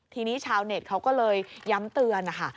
ทีนี้ชาวเน็ตเขาก็เลยย้ำเตือนนะคะ